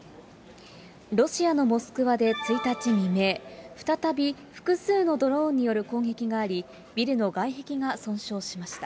ロシアのモスクワで１日未明、再び複数のドローンによる攻撃があり、ビルの外壁が損傷しました。